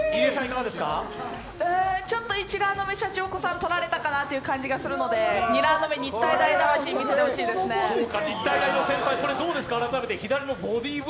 ちょっと１ラウンド目、シャチホコさん取られたかなという感じがするので２ラウンド目、日体大魂見せてほしいですね。